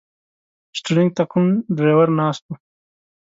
شټرنګ ته کوم ډریور ناست و.